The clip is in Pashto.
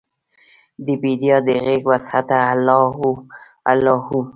دبیدیا د غیږوسعته الله هو، الله هو